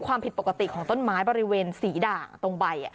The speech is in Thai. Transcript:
ความผิดปกติของต้นไม้บริเวณสีด่างตรงใบ